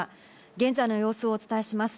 現在の様子をお伝えします。